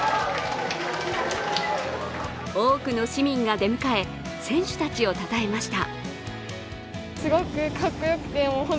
多くの市民が出迎え、選手たちをたたえました。